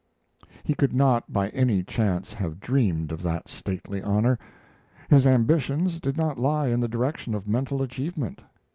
He could not by any chance have dreamed of that stately honor. His ambitions did not lie in the direction of mental achievement.